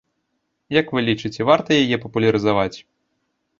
Як вы лічыце, варта яе папулярызаваць?